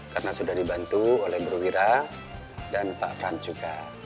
karena sudah dibantu oleh bro wira dan pak franz juga